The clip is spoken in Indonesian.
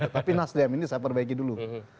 tapi nasdem ini saya perbaiki dulu